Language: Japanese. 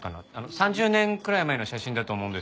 ３０年くらい前の写真だと思うんですけど。